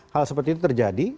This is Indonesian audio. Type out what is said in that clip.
hal seperti itu terjadi